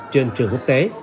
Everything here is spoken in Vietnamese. trên trường quốc tế